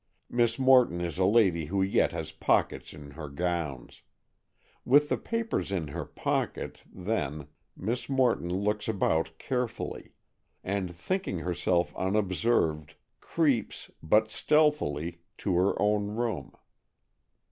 Miss Morton is a lady who yet has pockets in her gowns. With the papers in her pocket, then, Miss Morton looks about carefully, and, thinking herself unobserved, creeps, but stealthily, to her own room.